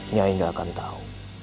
nyai gak akan tahu